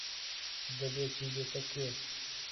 دەبێ چووبێتە کوێ.